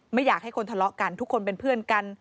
ไม่อยากให้คนทะเลาะกันทุกคนเป็นเพื่อนกัน